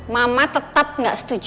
mama tetep gak setuju